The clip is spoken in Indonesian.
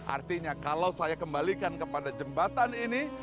artinya kalau saya kembalikan kepada jembatan ini